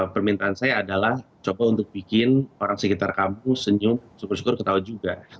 permintaan saya adalah coba untuk bikin orang sekitar kampus senyum syukur syukur ketawa juga